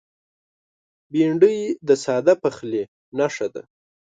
بېنډۍ د ساده پخلي نښه ده